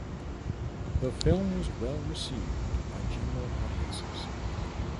The film was well-received by general audiences.